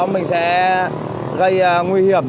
mình sẽ gây nguy hiểm